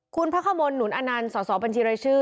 คุณพระขมลหนุนอนันต์สอบบัญชีรายชื่อ